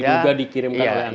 yang diduga dikirim ke pak andi